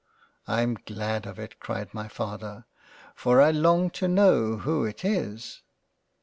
'* I'm glad of it (cried my Father) for I long to know who it is."